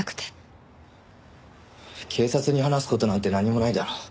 警察に話す事なんて何もないだろ。